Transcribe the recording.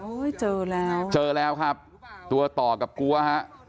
เจอแล้วเจอแล้วครับตัวต่อกับกลัวฮะ